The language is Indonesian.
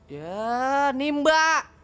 ya nih mbak